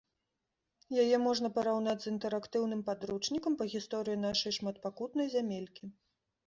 Яе можна параўнаць з інтэрактыўным падручнікам па гісторыі нашай шматпакутнай зямелькі.